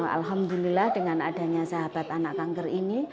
alhamdulillah dengan adanya sahabat anak kanker ini